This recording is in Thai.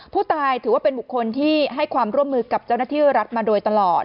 ผู้ตายถือว่าเป็นบุคคลที่ให้ความร่วมมือกับเจ้าหน้าที่รัฐมาโดยตลอด